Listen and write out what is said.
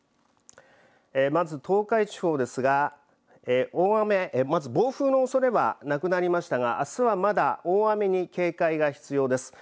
まず、東海地方ですがまず、暴風のおそれはなくなりましたがあすはまだ大雨に警戒が必要です。